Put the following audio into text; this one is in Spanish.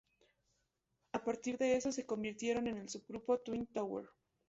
A partir de eso se convirtieron en el sub-grupo Twin Tower.